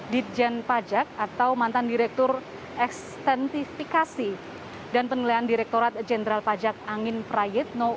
ditjen pajak atau mantan direktur ekstentifikasi dan penilaian direkturat jenderal pajak angin prayitno